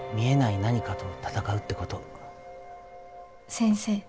先生。